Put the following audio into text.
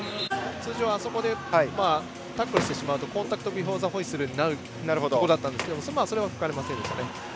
通常あそこでタックルしてしまうとコンタクトビフォーザホイッスルになるところでしたがそれは吹かれませんでしたね。